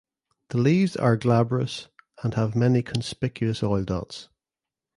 The leaves are glabrous and have many conspicuous oil dots.